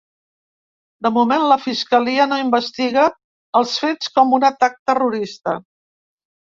De moment, la fiscalia no investiga els fets com un ‘atac terrorista’.